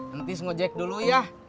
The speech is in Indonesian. nanti siang gue cariin ya